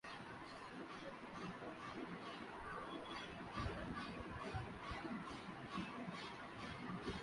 In case of attack, the loud noise will awake the ever-ready shepherd.